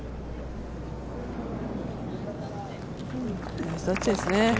ナイスタッチですね。